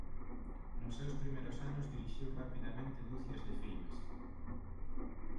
Nos seus primeiros anos dirixiu rapidamente ducias de filmes.